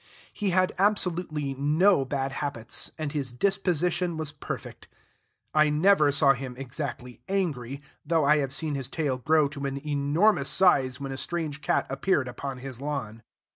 He had absolutely no bad habits, and his disposition was perfect. I never saw him exactly angry, though I have seen his tail grow to an enormous size when a strange cat appeared upon his lawn.